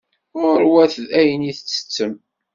Ɣur-wet ayen i ttettem.